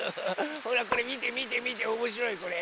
ほらこれみてみてみておもしろいこれ。